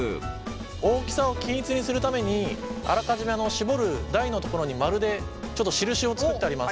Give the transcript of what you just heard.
大きさを均一にするためにあらかじめ絞る台のところに丸でちょっと印を作ってあります。